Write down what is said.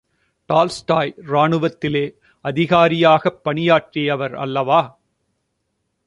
Tolstoy ராணுவத்திலே அதிகாரியாகப் பணியாற்றியவர் அல்லவா?